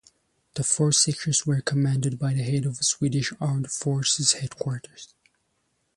The four sections were commanded by the head of the Swedish Armed Forces Headquarters.